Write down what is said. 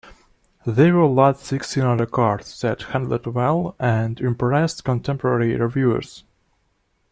They were large six-cylinder cars that handled well and impressed contemporary reviewers.